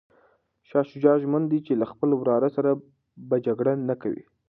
شاه شجاع ژمن دی چي له خپل وراره سره به جګړه نه کوي.